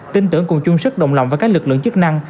tin tưởng cùng chung sức đồng lòng với các lực lượng chức năng